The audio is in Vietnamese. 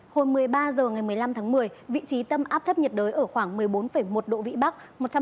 hồi một mươi ba h ngày một mươi năm tháng một mươi vị trí tâm áp thấp nhiệt đới ở khoảng một mươi bốn một độ vĩ bắc